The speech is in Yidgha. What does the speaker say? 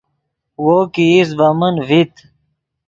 وو کہ ایست ڤے من ڤیت